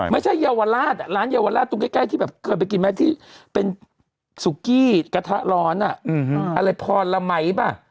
เยาวราชร้านเยาวราชตรงใกล้ที่แบบเคยไปกินไหมที่เป็นซุกี้กระทะร้อนอะไรพอละไหมป่ะ